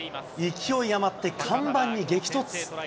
勢い余って看板に激突。